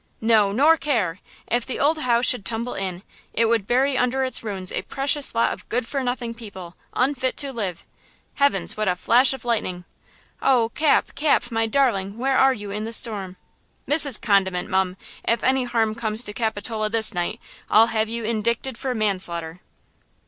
"No, nor care! If the old house should tumble in, it would bury under its ruins a precious lot of good for nothing people, unfit to live! Heavens! what a flash of lightning! Oh, Cap, Cap, my darling, where are you in this storm? Mrs. Condiment, mum! if any harm comes to Capitola this night, I'll have you indicted for manslaughter!"